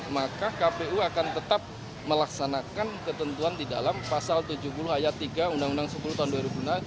maka kpu akan tetap melaksanakan ketentuan di dalam pasal tujuh puluh ayat tiga undang undang sepuluh tahun dua ribu enam